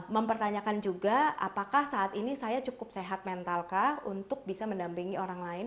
mempertanyakan juga apakah saat ini saya cukup sehat mentalkah untuk bisa mendampingi orang lain